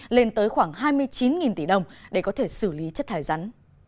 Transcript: lên tới khoảng hai mươi chín tỷ đồng để có thể xử lý chất thải rắn